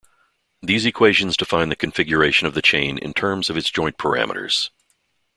These equations define the configuration of the chain in terms of its joint parameters.